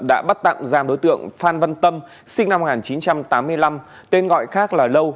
đã bắt tạm giam đối tượng phan văn tâm sinh năm một nghìn chín trăm tám mươi năm tên gọi khác là lâu